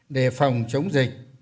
để phòng chống dịch